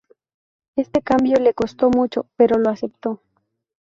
Este cambio le costo mucho, pero lo acepto.